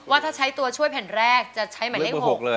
ว่าถ้าใช้ตัวช่วยแผ่นแรกจะใช้ใหม่ให้๖